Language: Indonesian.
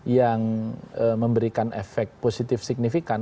yang memberikan efek positif signifikan